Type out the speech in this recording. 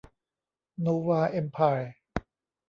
โนวา เอมไพร์